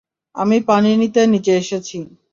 আমি পানি নিতে নিচে এসেছি।